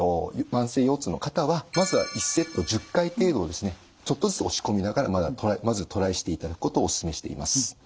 慢性腰痛の方はまずは１セット１０回程度をちょっとずつ押し込みながらまずトライしていただくことをおすすめしています。